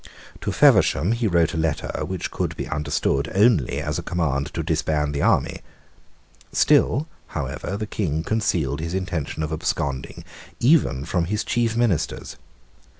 To Feversham he wrote a letter which could be understood only as a command to disband the army. Still, however, the King concealed his intention of absconding even from his chief ministers.